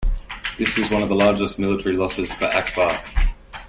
This was one of the largest military losses for Akbar.